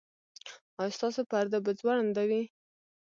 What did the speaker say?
ایا ستاسو پرده به ځوړنده وي؟